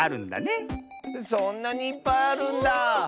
そんなにいっぱいあるんだ。